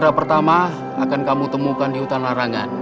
lili hal pertama kamu akan menemukan di utara rangan